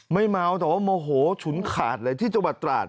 ไม่เมาแต่ว่าโมโหฉุนขาดเลยที่จังหวัดตราด